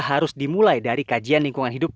harus dimulai dari kajian lingkungan hidup